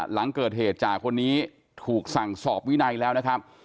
หลังเกิดเหตุจ่าคนนี้ถูกสั่งสอบวินัยแล้วนะครับ